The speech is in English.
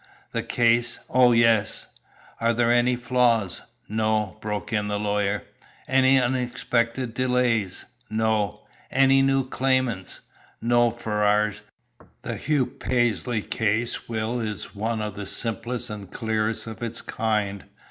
"The case! Oh, yes!" "Are there any flaws?" "No," broke in the lawyer. "Any unexpected delays?" "No." "Any new claimants?" "No, Ferrars. The Hugo Paisley will case is one of the simplest and clearest of its kind.